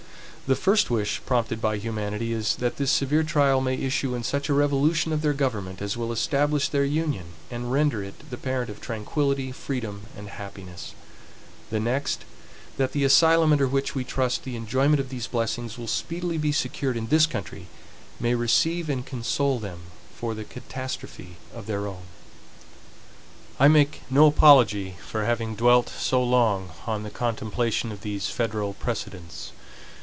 The first wish prompted by humanity is, that this severe trial may issue in such a revolution of their government as will establish their union, and render it the parent of tranquillity, freedom and happiness: The next, that the asylum under which, we trust, the enjoyment of these blessings will speedily be secured in this country, may receive and console them for the catastrophe of their own. I make no apology for having dwelt so long on the contemplation of these federal precedents.